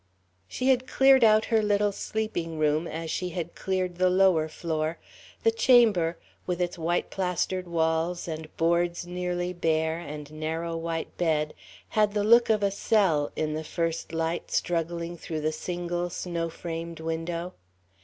She had cleared out her little sleeping room, as she had cleared the lower floor. The chamber, with its white plastered walls, and boards nearly bare, and narrow white bed, had the look of a cell, in the first light struggling through the single snow framed window.